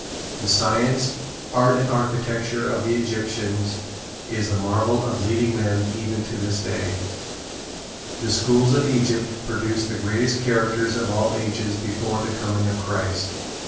The science, art and architecture of the Egyptians is the marvel of leading men even to this day. The schools of Egypt produced the greatest characters of all ages before the coming of Christ.